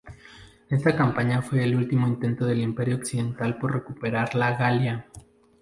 Esta campaña fue el último intento del Imperio occidental por recuperar la Galia.